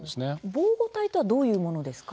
防護体とはどういうものですか？